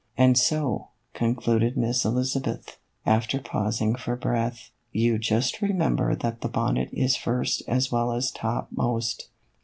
And so," concluded Miss Elizabeth, after pausing for breath, " you just remember that the bonnet is first as well as topmost.